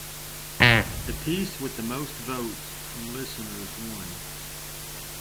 The piece with the most votes from listeners won.